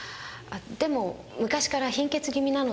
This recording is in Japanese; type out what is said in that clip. でも昔から貧血気味なので。